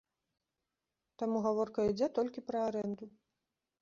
Таму гаворка ідзе толькі пра арэнду.